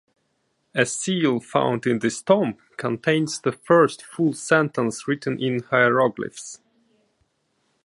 A seal found in this tomb contains the first full sentence written in hieroglyphs.